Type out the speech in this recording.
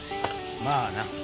まあな。